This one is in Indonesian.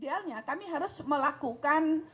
idealnya kami harus melakukan